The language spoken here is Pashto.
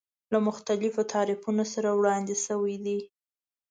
له مختلفو تعریفونو سره وړاندې شوی دی.